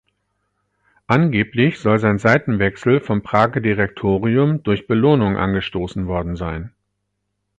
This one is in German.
Angeblich soll sein Seitenwechsel vom Prager Direktorium durch Belohnungen angestoßen worden sein.